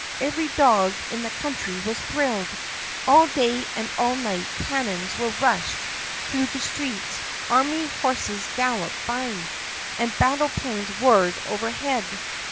Every dog in the country was thrilled. All day and all night cannons were rushed through the streets, army horses galloped by, and battle planes whirred overhead.